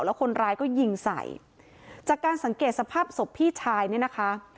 แล้วคนร้ายก็ยิงใส่จากการสังเกตสภาพศพพี่ชายเนี่ยนะคะ